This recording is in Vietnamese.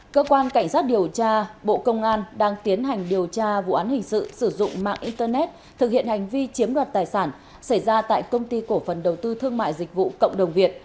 cơ quan cảnh sát điều tra bộ công an đang tiến hành điều tra vụ án hình sự sử dụng mạng internet thực hiện hành vi chiếm đoạt tài sản xảy ra tại công ty cổ phần đầu tư thương mại dịch vụ cộng đồng việt